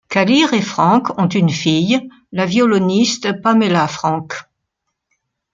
Kallir et Frank ont une fille, la violoniste Pamela Frank.